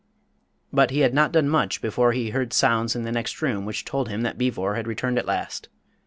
But he had not done much before he heard sounds in the next room which told him that Beevor had returned at last.